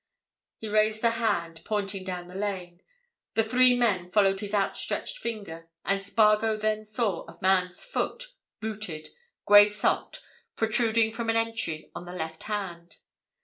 He raised a hand, pointing down the lane. The three men followed his outstretched finger. And Spargo then saw a man's foot, booted, grey socked, protruding from an entry on the left hand.